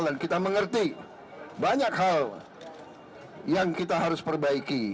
dan kita mengerti banyak hal yang kita harus perbaiki